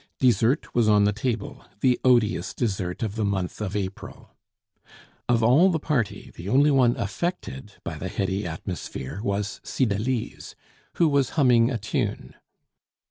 Dessert was on the table, the odious dessert of the month of April. Of all the party, the only one affected by the heady atmosphere was Cydalise, who was humming a tune.